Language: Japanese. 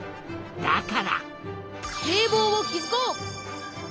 だから堤防をきずこう！